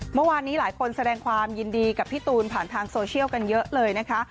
เมื่อวานนี้หลายคนแสดงความยินดีกับพี่ตูนผ่านทางโซเชียลกันเยอะเลยนะคะ